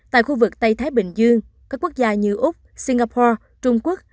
tại khu vực tây thái bình dương các quốc gia như úc singapore trung quốc